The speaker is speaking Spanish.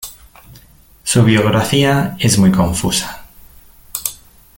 Su biografía es muy confusa.